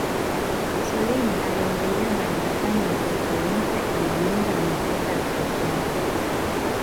Mussolini aliondolewa madarakani na serikali mpya ilijiunga na mataifa ya ushirikiano